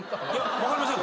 分かりません⁉